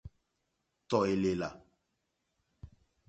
Tɔ̀ èlèlà.